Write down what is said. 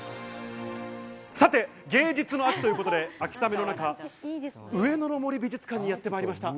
芸術の秋ということで、秋雨の中、上野の森美術館にやってまいりました。